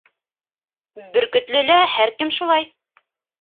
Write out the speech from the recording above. Бөркөтлөлә һәр кем шулай.